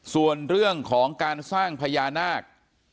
ส่วนเรื่องของการสร้างพญานาค